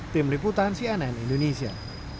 tim liputan cnn indonesia